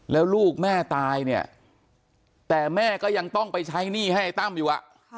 แล้วลูกแม่ตายเนี่ยแต่แม่ก็ยังต้องไปใช้หนี้ให้ไอ้ตั้มอยู่